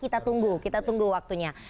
kita tunggu kita tunggu waktunya